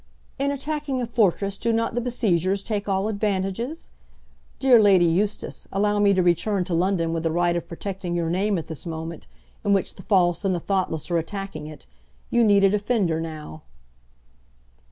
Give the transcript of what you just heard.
"In attacking a fortress do not the besiegers take all advantages? Dear Lady Eustace, allow me to return to London with the right of protecting your name at this moment, in which the false and the thoughtless are attacking it. You need a defender now."